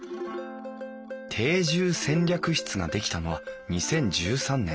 定住戦略室が出来たのは２０１３年。